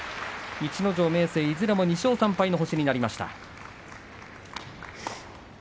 逸ノ城、明生いずれも２勝３敗の星になりました。